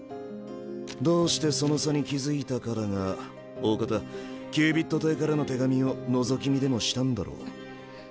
どうしてその差に気付いたかだがおおかたキュービッド邸からの手紙をのぞき見でもしたんだろう。